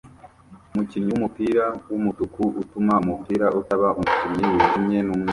Umukinnyi wumupira wumutuku utuma umupira utaba umukinnyi wijimye numweru